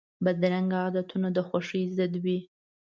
بدرنګه عادتونه د خوښۍ ضد وي